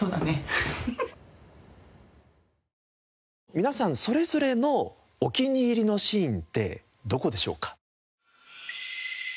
皆さんそれぞれのお気に入りのシーンってどこでしょうか？